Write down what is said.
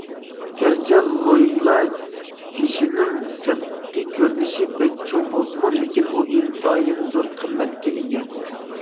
گەرچە لويلا تېشىنىڭ سىرتقى كۆرۈنۈشى بەك چوڭ بولسىمۇ، لېكىن ئۇ ئىنتايىن زور قىممەتكە ئىگە.